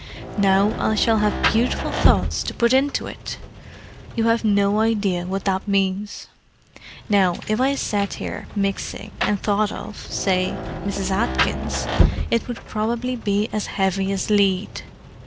"Now I shall have beautiful thoughts to put into it! You have no idea what that means. Now, if I sat here mixing, and thought of, say, Mrs. Atkins, it would probably be as heavy as lead!"